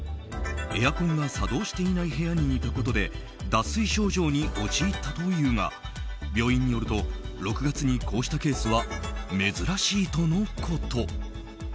エアコンが作動していない部屋にいたことで脱水症状に陥ったというが病院によると６月にこうしたケースは珍しいとのこと。